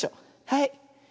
はい。